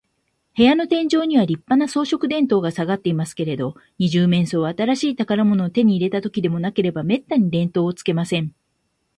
部屋の天井には、りっぱな装飾電燈がさがっていますけれど、二十面相は、新しい宝物を手に入れたときででもなければ、めったに電燈をつけません。